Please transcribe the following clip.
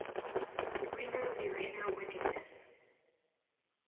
Remove your inner wickedness.